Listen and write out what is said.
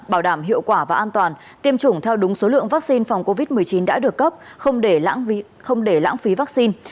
bảo đảm hiệu quả và an toàn tiêm chủng theo đúng số lượng vaccine phòng covid một mươi chín đã được cấp không để lãng phí vaccine